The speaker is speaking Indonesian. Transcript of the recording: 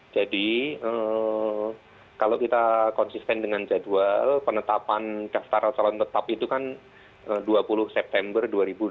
jadi kalau kita konsisten dengan jadwal penetapan kastar asalan tetap itu kan dua puluh september dua ribu delapan belas